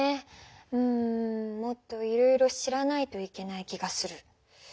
うんもっといろいろ知らないといけない気がする。